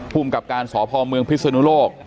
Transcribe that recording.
ภุมกับการณ์สหพมเมืองพิษุนุโลก